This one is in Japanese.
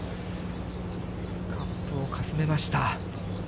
カップをかすめました。